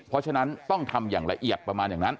เพราะฉะนั้นต้องทำอย่างละเอียดประมาณอย่างนั้น